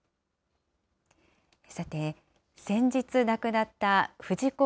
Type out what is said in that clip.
さて、先日亡くなった藤子